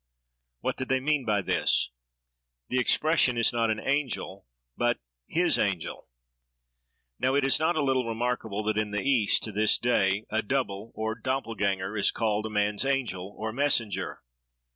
What did they mean by this? The expression is not an angel, but his angel. Now, it is not a little remarkable, that in the East, to this day, a double, or doppelgänger, is called a man's angel, or messenger.